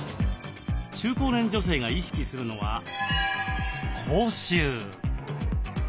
中高年女性が意識するのは口臭。